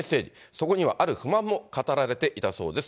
そこにはある不満も語られていたそうです。